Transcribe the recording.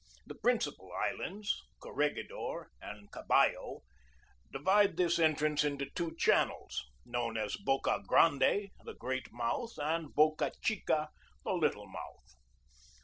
The principal islands, Cor regidor and Caballo, divide this entrance into two channels, known as Boca Grande, the great mouth, and Boca Chica, the little mouth.